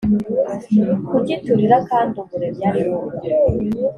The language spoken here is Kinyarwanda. kuki turira kandi umuremyi ariho